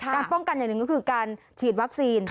ป้องกันอย่างหนึ่งก็คือการฉีดวัคซีน